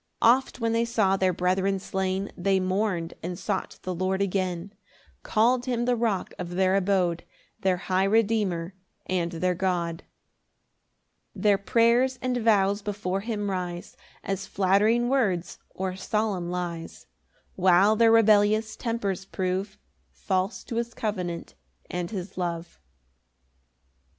4 Oft when they saw their brethren slain, They mourn'd and sought the Lord again; Call'd him the Rock of their abode, Their high Redeemer and their God. 5 Their prayers and vows before him rise As flattering words or solemn lies, While their rebellious tempers prove False to his covenant and his love.